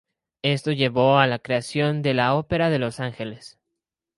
Esto llevó a la creación de la Ópera de Los Ángeles.